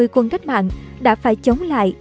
ba trăm hai mươi quân cách mạng đã phải chống lại